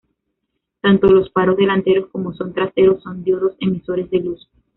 Tanto los faros delanteros como son traseros son diodos emisores de luz.